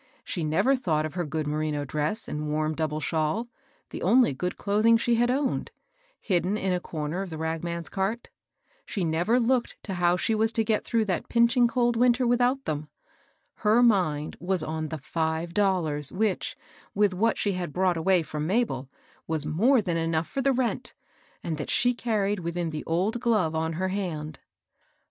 She never thought of her good merino dress, and warm dou ble shawl, — the only good clothing she had owned, — hidden in a corner of the ragman's cart ; she never looked to how she was to get through that pinching cold winter without them ; her mind was on the five dollars^ which, with what she had brought away from Mabel, was more than enough for the rent, and that she carried within the old glove on her hand.